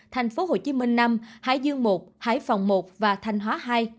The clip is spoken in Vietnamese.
tp hcm năm hải dương một hải phòng một và thanh hóa hai